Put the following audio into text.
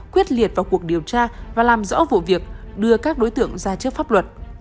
quyết liệt vào cuộc điều tra và làm rõ vụ việc đưa các đối tượng ra trước pháp luật